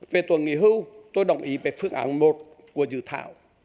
về tuổi nghỉ hưu tôi đồng ý về phương án một của dự thảo